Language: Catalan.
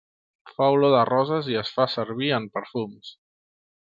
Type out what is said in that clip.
Fa olor de roses i es fa servir en perfums.